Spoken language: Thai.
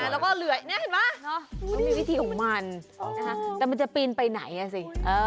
แล้วก็เหลือยนี่เห็นไหมมันมีวิธีของมันแต่มันจะปีนไปไหนอ่ะสิ